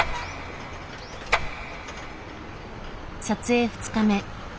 撮影２日目。